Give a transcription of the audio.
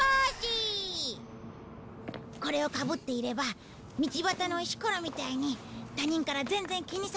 これをかぶっていれば道端の石ころみたいに他人から全然気にされなくなる。